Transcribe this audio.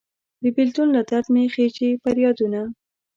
د بیلتون له درد مې خیژي پریادونه